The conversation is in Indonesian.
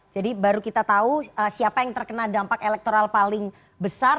jadi baru kita tahu siapa yang terkena dampak elektoral paling besar